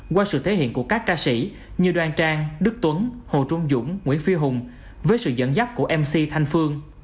qua sự thể hiện của các ca sĩ như đoan trang đức tuấn hồ trung dũng nguyễn phi hùng với sự dẫn dắt của mc thanh phương